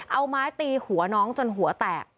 เอาไม้ตีหัวน้องจนหัวแตก